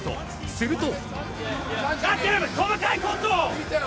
すると。